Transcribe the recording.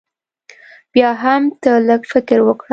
بيا هم تۀ لږ فکر وکړه